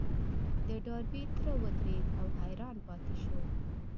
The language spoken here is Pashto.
د ډاربي تره ودرېد او حيران پاتې شو.